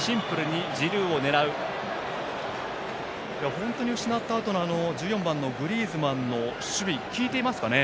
本当に失ったあとの１４番、グリーズマンの守備が効いていますかね。